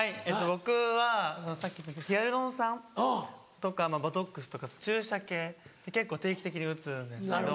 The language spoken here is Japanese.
僕はヒアルロン酸とかボトックスとか注射系結構定期的に打つんですけど。